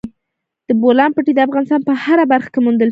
د بولان پټي د افغانستان په هره برخه کې موندل کېږي.